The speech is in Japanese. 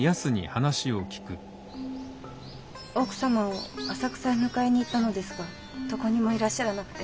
奥様を浅草へ迎えに行ったのですがどこにもいらっしゃらなくて。